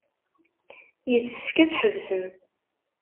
Yessefk ad tḥebsem.